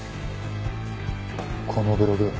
このブログ